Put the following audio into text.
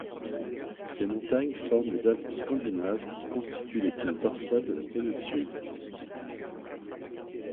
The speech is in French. Ces montagnes forment les Alpes scandinaves qui constituent l'épine dorsale de la péninsule.